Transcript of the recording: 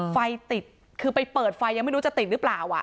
ไฟติดคือไปเปิดไฟยังไม่รู้จะติดหรือเปล่า